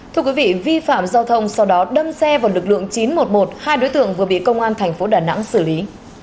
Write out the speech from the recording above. thưa quý vị vi phạm giao thông sau đó đâm xe vào lực lượng chín trăm một mươi một hai đối tượng vừa bị công an thành phố đà nẵng xử lý